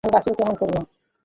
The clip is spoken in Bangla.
তবে আমি বাঁচিব কেমন করিয়া?